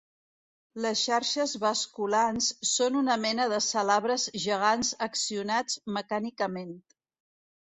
Les xarxes basculants són una mena de salabres gegants accionats mecànicament.